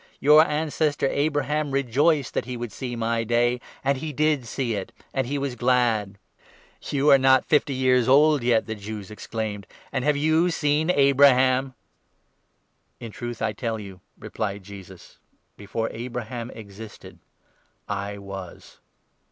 Your ancestor Abraham rejoiced 56 that he would see my day ; and he did see it, and was glad. "" You are not fifty years old yet," the Jews exclaimed, "and 57 have you seen Abraham ?" "In truth I tell you/? replied Jesus, "before Abraham 58 existed I was."